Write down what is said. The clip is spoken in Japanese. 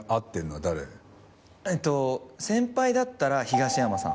えっと先輩だったら東山さん。